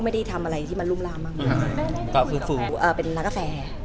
แต่เราทราบมาที่การงานเขาไหมคะ